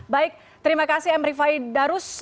baik terima kasih m rifai darus